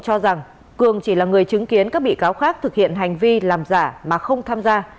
cho rằng cường chỉ là người chứng kiến các bị cáo khác thực hiện hành vi làm giả mà không tham gia